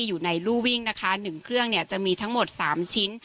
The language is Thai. อยู่ในรูวิ่งนะคะ๑เครื่องเนี่ยจะมีทั้งหมด๓ชิ้น